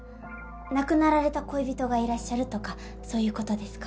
亡くなられた恋人がいらっしゃるとかそういう事ですか？